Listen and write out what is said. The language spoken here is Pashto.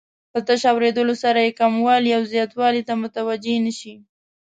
په تش اوریدلو سره یې کموالي او زیاتوالي ته متوجه نه شي.